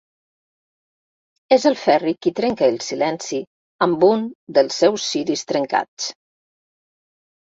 És el Ferri qui trenca el silenci amb un dels seus ciris trencats.